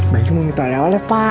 bayu mau minta alih alih pak